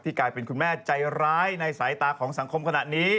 กลายเป็นคุณแม่ใจร้ายในสายตาของสังคมขณะนี้